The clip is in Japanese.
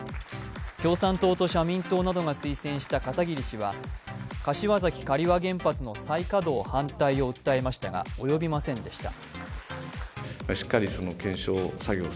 共産党と社民党などが推薦した片桐氏は柏崎刈羽原発の再稼働反対を訴えましたが及びませんでした。